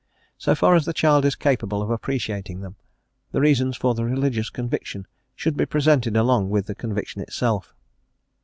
So far as the child is capable of appreciating them, the reasons for the religious conviction should be presented along with the conviction itself.